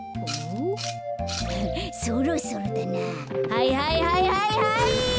はいはいはいはいはい！